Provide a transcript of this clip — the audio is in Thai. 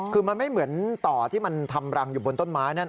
คือมันไม่เหมือนต่อที่มันทำรังอยู่บนต้นไม้นั่น